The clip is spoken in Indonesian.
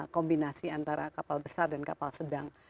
kombinasi antara kapal besar dan kapal sedang